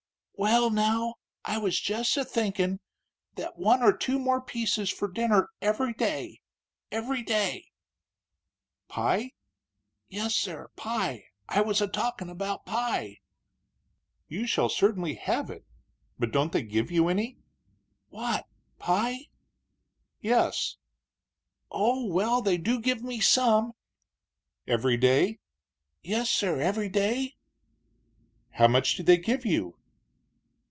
"Well, now, I was jess a thinkin' that one or two more pieces fur dinner every day every day " "Pie?" "Yes, sir; pie. I was a talkin' about pie." "You shall certainly have it; but don't they give you any?" "What? Pie?" "Yes." "Oh, well, they do give me some." "Every day?" "Yes, sir; every day." "How much do they give you?"